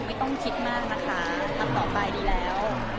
ไม่ต้องคิดมากนะคะทำต่อไปดีแล้ว